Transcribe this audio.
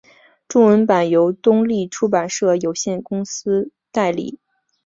中文版由东立出版社有限公司代理。